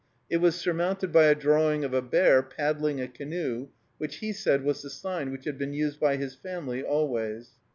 It was surmounted by a drawing of a bear paddling a canoe, which he said was the sign which had been used by his family always.